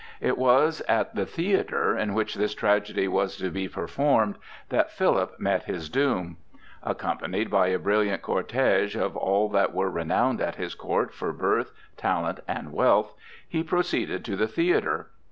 It was at the theatre, in which this tragedy was to be performed, that Philip met his doom. Accompanied by a brilliant cortège of all that were renowned at his court for birth, talent, and wealth, he proceeded to the theatre.